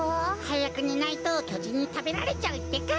はやくねないときょじんにたべられちゃうってか？